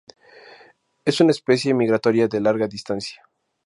Es una especie migratoria de larga distancia.